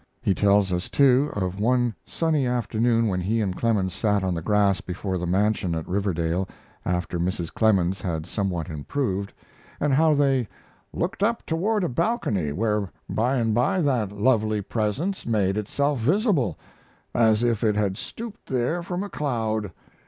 He tells us, too, of one sunny afternoon when he and Clemens sat on the grass before the mansion at Riverdale, after Mrs. Clemens had somewhat improved, and how they "looked up toward a balcony where by and by that lovely presence made itself visible, as if it had stooped there from a cloud.